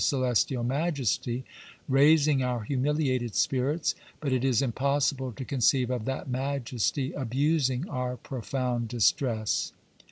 liv BIOGRAPHICAL AND Celestial Majesty raising our humiliated spirits, but it is impossible to conceive of that Majesty abusing our pro found distress."